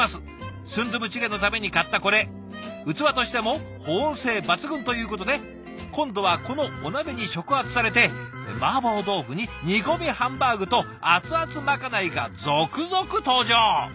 スンドゥブチゲのために買ったこれ器としても保温性抜群ということで今度はこのお鍋に触発されてマーボー豆腐に煮込みハンバーグと熱々まかないが続々登場！